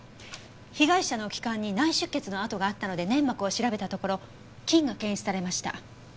被害者の気管に内出血の跡があったので粘膜を調べたところ菌が検出されました。